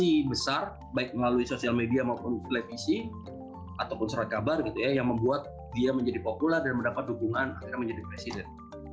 di media sosial ini terjadi atensi besar baik melalui sosial media maupun televisi ataupun surat kabar gitu ya yang membuat dia menjadi populer dan mendapat dukungan akhirnya menjadi presiden